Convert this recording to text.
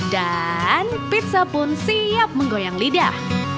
dan pizza pun siap menggoyang lidah